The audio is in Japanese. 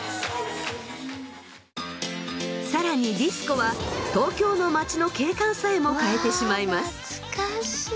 更にディスコは東京の街の景観さえも変えてしまいます。